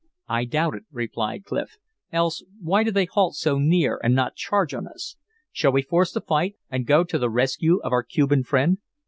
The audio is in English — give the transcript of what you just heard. "I doubt it," replied Clif, "else why do they halt so near and not charge on us? Shall we force the fight and go to the rescue of our Cuban friend?"